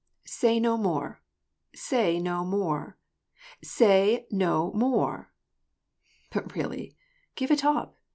So say no more, say no more, say no more !"" But, really, give it up